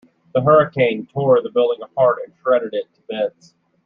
The hurricane tore the building apart and shredded it to bits.